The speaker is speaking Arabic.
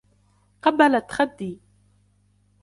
قبلت خدي.